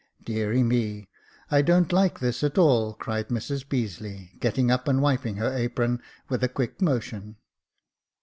*' Deary me, I don't like this at all," cried Mrs Beazeley, getting up, and wiping her apron with a quick motion.